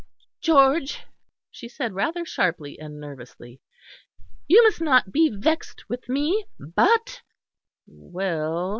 "George," she said, rather sharply and nervously, "you must not be vexed with me, but " "Well?"